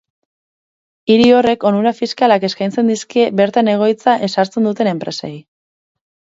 Hiri horrek onura fiskalak eskaintzen dizkie bertan egoitza ezartzen duten enpresei.